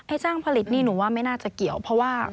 จ้างผลิตนี่หนูว่าไม่น่าจะเกี่ยวเพราะว่า